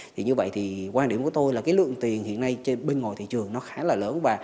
thì như vậy thì quan điểm của tôi là cái lượng tiền hiện nay bên ngồi thị trường nó khá là lớn